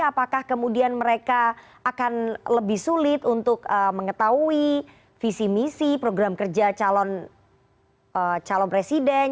apakah kemudian mereka akan lebih sulit untuk mengetahui visi misi program kerja calon presiden